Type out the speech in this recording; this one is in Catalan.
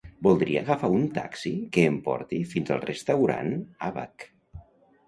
Voldria agafar un taxi que em porti fins al restaurant ABaC.